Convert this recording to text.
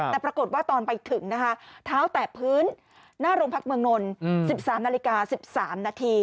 แต่ปรากฏว่าตอนไปถึงนะคะเท้าแตะพื้นหน้าโรงพักเมืองนนท์๑๓นาฬิกา๑๓นาที